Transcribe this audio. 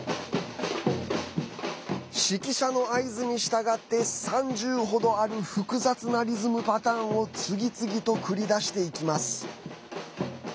指揮者の合図に従って３０ほどある複雑なリズムパターンを次々と繰り出していきます。